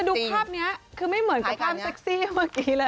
ดูภาพนี้คือไม่เหมือนกับภาพเซ็กซี่เมื่อกี้เลย